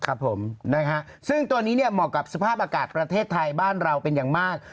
ครับผมนะฮะซึ่งตัวนี้เนี่ยเหมาะกับสภาพอากาศประเทศไทยบ้านเราเป็นอย่างมาก